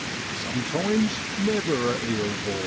Sumtimes never a eel, 'bor.